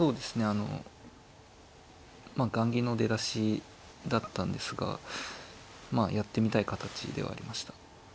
あのまあ雁木の出だしだったんですがまあやってみたい形ではありました。